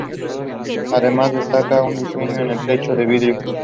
Además destaca en su diseño el techo de vidrio.